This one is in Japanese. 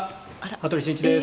羽鳥慎一です」